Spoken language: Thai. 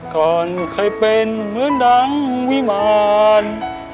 ก่อนเคยเป็นเหมือนดังวิมาร